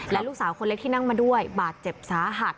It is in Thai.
และลูกสาวคนเล็กที่นั่งมาด้วยบาดเจ็บสาหัส